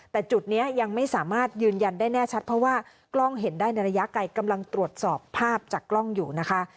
แต่จุดนี้ยังไม่สามารถยืนยันได้แน่ชัดเพราะว่ากล้องเห็นได้ในระยะไกลกำลังตรวจสอบภาพจากกล้องอยู่นะคะ